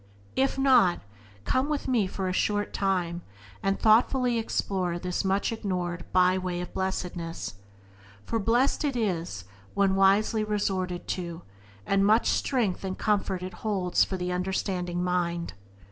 If not, come with me for a short time, and thoughtfully explore this much ignored byway of blessedness, for blessed it is when wisely resorted to, and much strength and comfort it holds for the understanding mind.